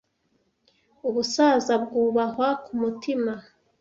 Ubusaza bwubahwa kumutima